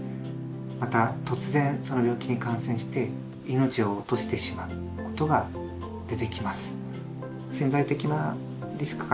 また突然その病気に感染して命を落としてしまうことが出てきます。